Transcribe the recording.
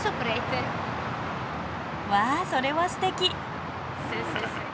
わあそれはすてき。